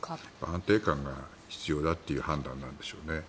安定感が必要だという判断なんでしょうね。